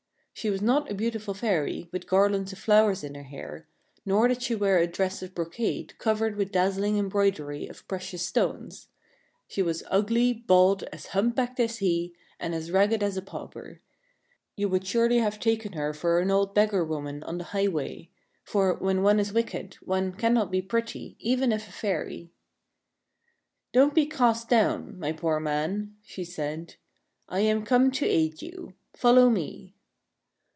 She was not a beautiful fairy, with garlands of flowers in her hair ; nor did she wear a dress of brocade, covered with dazzling embroidery of precious stones. She was ugly, bald, as hump 5 « THE FAIRY SPINNING WHEEL backed as he, and as ragged as a pauper. You would surely have taken her for an old beggar woman on the highway ; for, when one is wicked, one cannot be pretty, even if a fairy. " Don't be cast down, my poor man," she said. " I am come to aid you. Follow me."